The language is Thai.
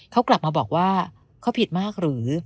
เขากลับมาบอกว่าเขาผิดมากหรือ